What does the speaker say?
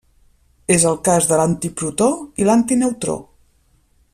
És el cas de l'antiprotó i l'antineutró.